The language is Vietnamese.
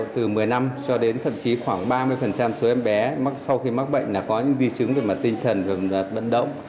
từ một mươi năm cho đến thậm chí khoảng ba mươi số em bé sau khi mắc bệnh là có những di chứng về tinh thần bận động